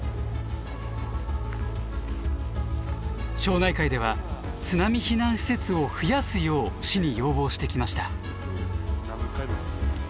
町内会では津波避難施設を増やすよう市に要望してきました。